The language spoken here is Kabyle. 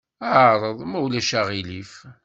Ɛreḍ, ma ulac aɣilif.